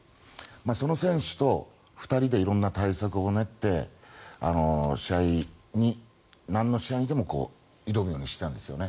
その選手と２人で色んな対策を練ってなんの試合にでも挑むようにしたんですよね。